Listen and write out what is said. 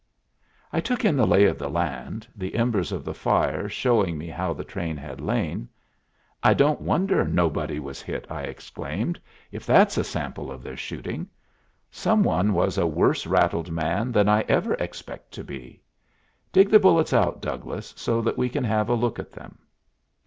I took in the lay of the land, the embers of the fire showing me how the train had lain. "I don't wonder nobody was hit," I exclaimed, "if that's a sample of their shooting. Some one was a worse rattled man than I ever expect to be. Dig the bullets out, Douglas, so that we can have a look at them."